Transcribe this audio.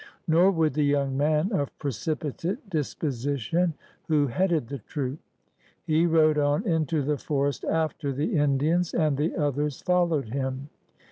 Nor would the young man ^'of precipitate disposition'' who headed the troop. He rode on into the forest after the Indians, and the others followed him.